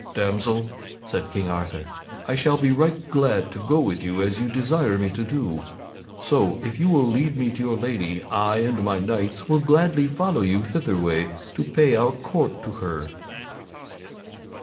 "Damsel," said King Arthur, "I shall be right glad to go with you as you desire me to do. So, if you will lead me to your lady, I and my knights will gladly follow you thitherway to pay our court unto her."